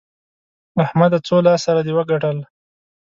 احمده! څو لاس سره دې وګټل؟